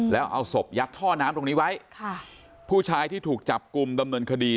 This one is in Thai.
แล้วเอาศพยัดท่อน้ำตรงนี้ไว้ค่ะผู้ชายที่ถูกจับกลุ่มดำเนินคดี